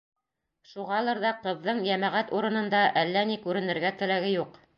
Шуғалыр ҙа ҡыҙҙың йәмәғәт урынында әллә ни күренергә теләге юҡ.